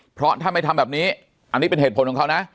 เพราะถ้าไม่ทำแบบนี้อันนี้เป็นเหตุผลของเขานะ